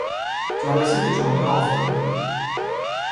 جلسه به جمعه افتاده بود.